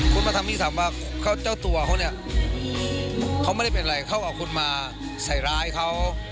คุณมาทำที่สามว่าเจ้าตัวเขาเนี่ยเขาไม่ได้เป็นอะไรเขาเอาคุณมาใส่ร้ายเขา